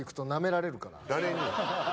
誰に？